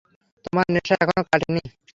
তোমার নেশা এখনও কাটেনি।